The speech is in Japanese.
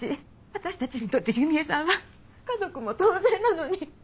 私たちにとって弓江さんは家族も同然なのに。